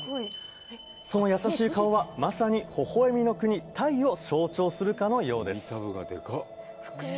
その優しい顔はまさに微笑みの国・タイを象徴するかのようです